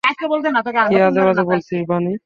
কি আজেবাজে বলছিস, বানি!